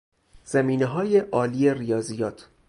زمینههای عالی ریاضیات